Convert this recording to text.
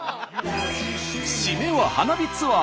シメは花火ツアー。